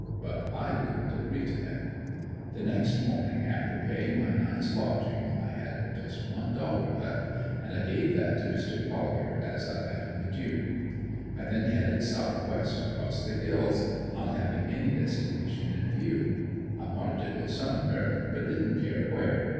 But I wouldn't agree to that. The next morning after paying my night's lodging I had just one dollar left and I gave that to Mr. Collier as I bade him adieu. I then headed southwest across the hills, not having any destination in view; I wanted to go somewhere but didn't care where.